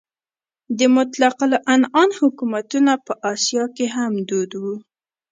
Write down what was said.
د مطلق العنان حکومتونه په اسیا کې هم دود وو.